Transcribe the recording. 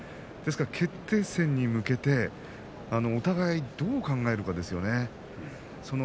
ですから決定戦に向けてお互いどう考えるかですよね。